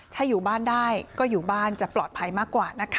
ถ้าอยู่บ้านได้ก็อยู่บ้านจะปลอดภัยมากกว่านะคะ